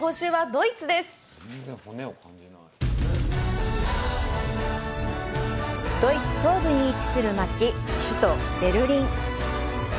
ドイツ東部に位置する街、首都ベルリン。